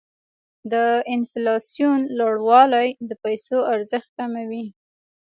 د انفلاسیون لوړوالی د پیسو ارزښت کموي.